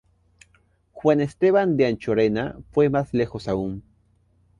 Juan Esteban de Anchorena fue más lejos aún.